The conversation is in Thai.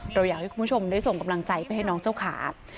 เราอยากให้คุณผู้ชมได้ส่งกำลังใจไปให้น้องเจ้าขา